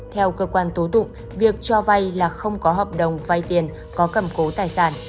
theo cơ quan tố tụng việc cho vay là không có hợp đồng vay tiền có cầm cố tài sản